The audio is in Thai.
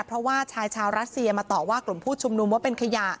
เพราะว่าชายชาวรัสเซียมาต่อว่ากลุ่มผู้ชุมนุมว่าเป็นขยะ